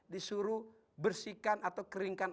disuruh bersihkan atau keringkan